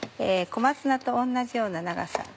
小松菜と同じような長さ。